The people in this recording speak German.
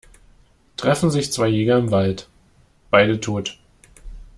Treffen sich zwei Jäger im Wald - beide tot.